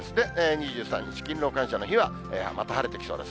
２３日勤労感謝の日はまた晴れてきそうです。